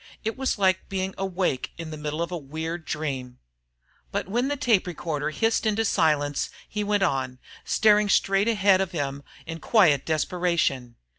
It was like being awake in the middle of a weird dream. But when the tape recorder hissed into silence, he went on, staring straight ahead of him in quiet desperation.